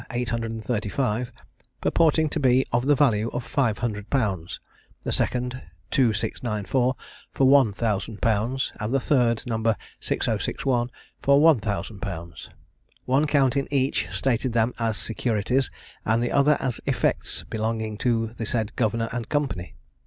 835, purporting to be of the value of five hundred pounds; the second, 2694, for one thousand pounds; and the third, No. 6061, for one thousand pounds. One count in each stated them as securities, and the other as effects belonging to the said Governor and Company.